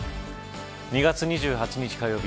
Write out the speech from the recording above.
２月２８日火曜日